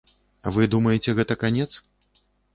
Вы думаеце, гэта канец?